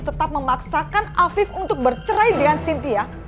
tetap memaksakan afif untuk bercerai dengan cynthia